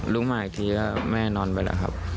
ลุ้งมาอีกทีแล้วแม่นอนไปแล้วครับ